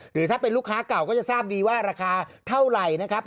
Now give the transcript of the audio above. หรือถ้าเป็นลูกค้าเก่าก็จะทราบดีว่าราคาเท่าไหร่นะครับ